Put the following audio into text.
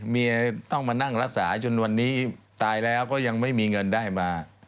เมียต้องมานั่งรักษาจนวันนี้ตายแล้วก็ยังไม่มีเงินได้มา